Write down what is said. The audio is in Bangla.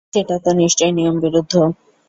সেটা তো নিশ্চয় নিয়মবিরুদ্ধ।